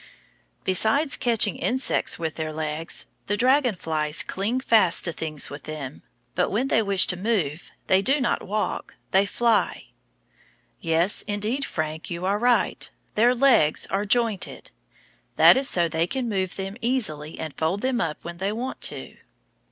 Besides catching insects with their legs, the dragon flies cling fast to things with them, but when they wish to move they do not walk, they fly. Yes, indeed, Frank, you are right; their legs are jointed. That is so they can move them easily and fold them up when they want to.